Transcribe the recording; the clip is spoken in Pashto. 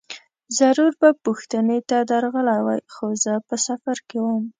ضرور به پوښتنې ته درغلی وای، خو زه په سفر کې وم.